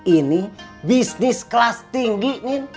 ini bisnis kelas tinggi